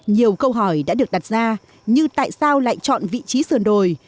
nhiều câu hỏi đã được đặt ra như tại sao lại chọn vị trí sườn đồi